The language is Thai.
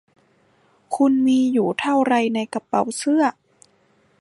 คุณมีอยู่เท่าไรในกระเป๋าเสื้อ